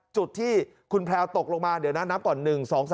จุดที่คุณแพลวตกลงมาเดี๋ยวนะนับก่อน๑๒๓